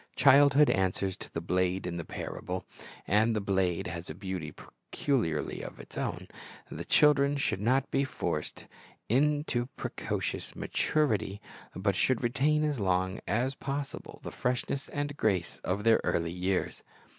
Childhood answers to the blade in the. parable, and the blade has a beauty peculiarly its own. The children should not be forced into a precocious maturity, but should retain as long as possible the freshness and grace of their early years.